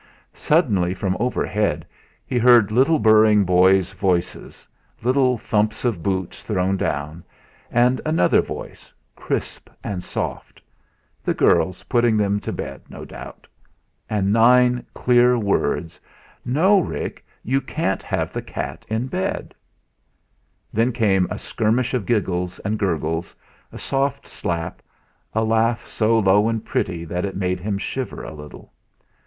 Suddenly from overhead he heard little burring boys' voices, little thumps of boots thrown down, and another voice, crisp and soft the girl's putting them to bed, no doubt; and nine clear words "No, Rick, you can't have the cat in bed"; then came a skirmish of giggles and gurgles, a soft slap, a laugh so low and pretty that it made him shiver a little.